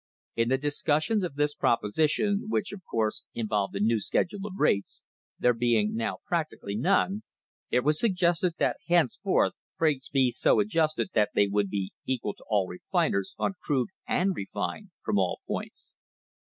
In the discussions of this proposition, which, of course, involved a new schedule of rates, there being now practically none, it was suggested that henceforth freights be so adjusted that they would be equal to all refiners, on crude and refined from all points.